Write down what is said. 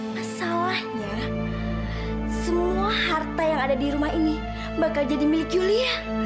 masalahnya semua harta yang ada di rumah ini bakal jadi milik julia